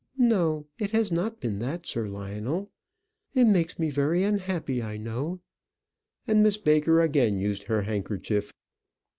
No, it has not been that, Sir Lionel. It makes me very unhappy, I know;" and Miss Baker again used her handkerchief.